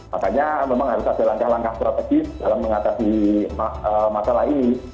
makanya memang harus ada langkah langkah strategis dalam mengatasi masalah ini